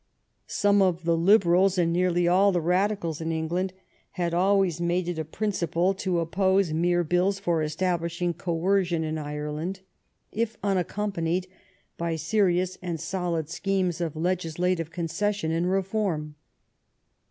Some of the Liberals and nearly all the Radicals in England had always made it a principle to oppose mere bills for establishing coercion in Ire land, if unaccompanied by serious and solid schemes of legislative concession and reform.